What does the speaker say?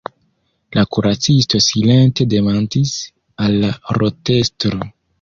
La kuracisto silente demandis al la rotestro.